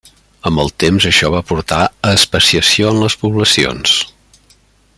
Amb el temps això va portar a especiació en les poblacions.